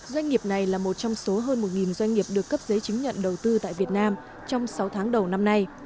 doanh nghiệp này là một trong số hơn một doanh nghiệp được cấp giấy chứng nhận đầu tư tại việt nam trong sáu tháng đầu năm nay